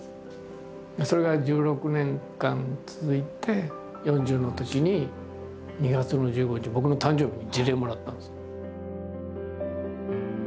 それが１６年間続いて４０のときに２月の１５日僕の誕生日に辞令をもらったんですよ。